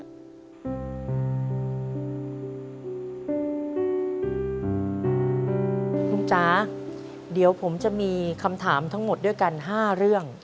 คุณจ๋าเดี๋ยวผมจะมีคำถามทั้งหมดด้วยกัน๕เรื่อง